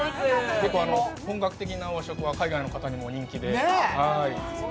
本格的な和食は海外の方にも人気で。